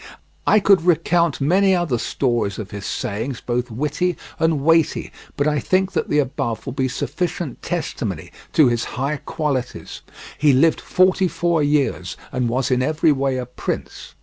I could recount many other stories of his sayings both witty and weighty, but I think that the above will be sufficient testimony to his high qualities. He lived forty four years, and was in every way a prince.